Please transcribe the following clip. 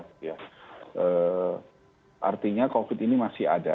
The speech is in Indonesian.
artinya covid ini masih ada